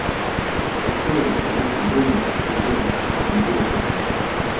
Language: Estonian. Kas see, kes rohkem teenib, või see, kes rohkem kulutab?